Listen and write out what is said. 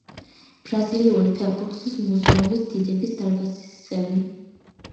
ბრაზილიური ფეხბურთის მუზეუმის დიდების დარბაზის წევრი.